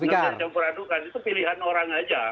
nggak bisa dicampur adukan itu pilihan orang aja